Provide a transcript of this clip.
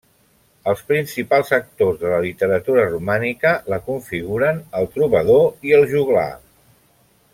Els principals actors de la literatura romànica la configuren el trobador i el joglar.